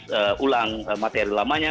mencoba merilis ulang materi lamanya